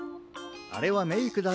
あれはメイクだよ。